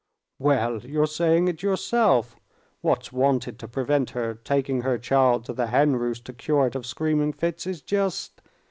'" "Well, you're saying it yourself! What's wanted to prevent her taking her child to the hen roost to cure it of screaming fits is just...."